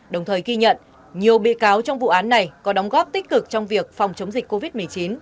đồng thời ghi nhận nhiều bị cáo trong vụ án này có đóng góp tích cực trong việc phòng chống dịch covid một mươi chín